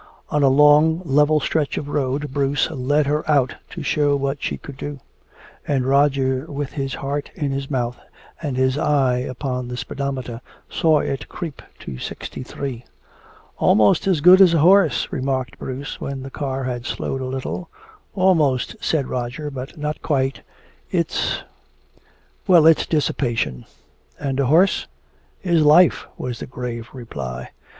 On a long level stretch of road Bruce "let her out to show what she could do." And Roger with his heart in his mouth and his eye upon the speedometer, saw it creep to sixty three. "Almost as good as a horse," remarked Bruce, when the car had slowed a little. "Almost," said Roger, "but not quite. It's well, it's dissipation." "And a horse?" "Is life," was the grave reply.